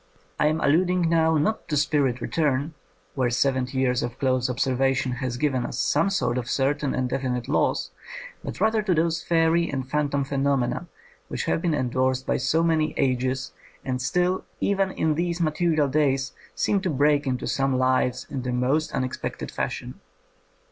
I am allud ing now, not to spirit return, where seventy years of close observation has given us some sort of certain and definite laws, but rather to those fairy and phantom phenomena which have been endorsed by so many ages, and still even in these material days seem to break into some lives in the most unexpected fashion.